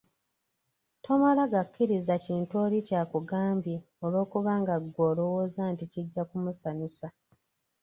Tomala gakkiriza kintu oli ky'akugambye olw'okubanga ggwe olowooza nti kijja kumusanyusa.